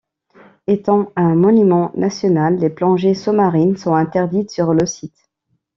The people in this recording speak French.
Étant un monument national, les plongées sous-marines sont interdites sur le site.